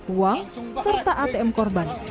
uang serta atm korban